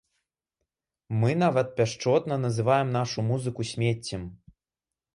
Мы нават пяшчотна называем нашу музыку смеццем.